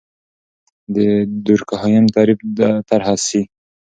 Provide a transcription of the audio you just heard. د دورکهايم تعریف طرحه سي.